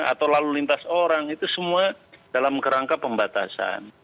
atau lalu lintas orang itu semua dalam kerangka pembatasan